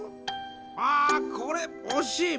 あこれおしい！